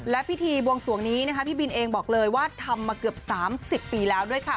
และพิธีบวงสวงนี้นะคะพี่บินเองบอกเลยว่าทำมาเกือบ๓๐ปีแล้วด้วยค่ะ